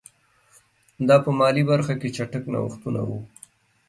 دا په مالي برخه کې چټک نوښتونه وو.